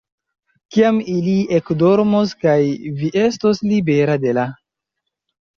Kiam ili ekdormos kaj vi estos libera de la.